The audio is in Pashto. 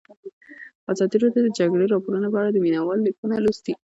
ازادي راډیو د د جګړې راپورونه په اړه د مینه والو لیکونه لوستي.